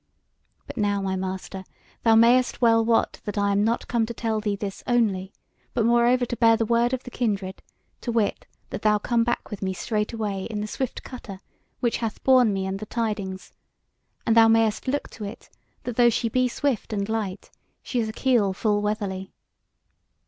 But now, my master, thou mayst well wot that I am not come to tell thee this only, but moreover to bear the word of the kindred, to wit that thou come back with me straightway in the swift cutter which hath borne me and the tidings; and thou mayst look to it, that though she be swift and light, she is a keel full weatherly."